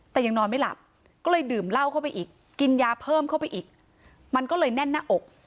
แต่ยังนอนไม่หลับก็เลยดื่มเหล้าเข้าไปอีกกินยาเพิ่มเข้าไปอีกมันก็เลยแน่นหน้าอก